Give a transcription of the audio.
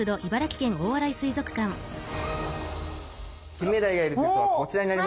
キンメダイがいる水槽はこちらになります。